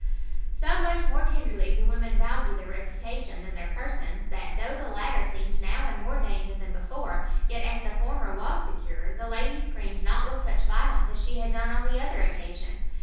So much more tenderly do women value their reputation than their persons, that, though the latter seemed now in more danger than before, yet, as the former was secure, the lady screamed not with such violence as she had done on the other occasion.